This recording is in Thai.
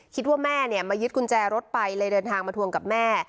คิดว่าแม่มายึดกุญแจรถไปเลยเดินทางมาทวงกับแม่